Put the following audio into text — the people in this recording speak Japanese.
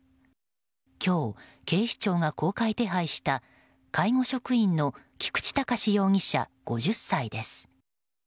今日、警視庁が公開手配した介護職員の菊池隆容疑者、５０歳です。